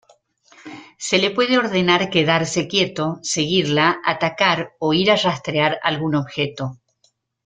Se le puede ordenar quedarse quieto, seguirla, atacar o ir a rastrear algún objeto.